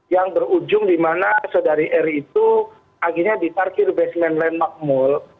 yang berujung di mana saudari r itu akhirnya diparkir basement land makmul